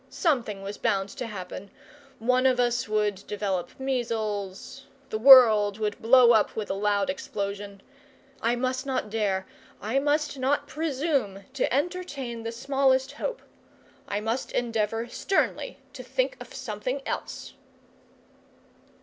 Something was bound to happen, one of us would develop measles, the world would blow up with a loud explosion. I must not dare, I must not presume, to entertain the smallest hope. I must endeavour sternly to think of something else.